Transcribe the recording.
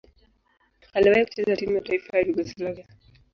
Aliwahi kucheza timu ya taifa ya Yugoslavia.